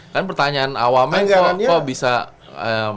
kan pertanyaan awal kok bisa mengajukan diri sebagai negara